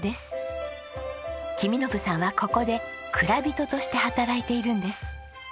公伸さんはここで蔵人として働いているんです。